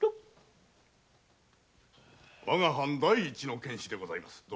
わが藩第一の剣士でございます。